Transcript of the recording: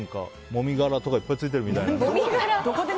もみがらとかいっぱいつちえるみたいな。